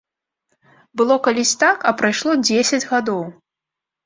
Было калісь так, а прайшло дзесяць гадоў!